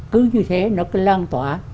cứ như thế nó cứ lan tỏa